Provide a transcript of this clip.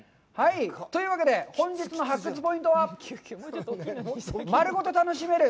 というわけで、本日の発掘ポイントは、「丸ごと楽しめる！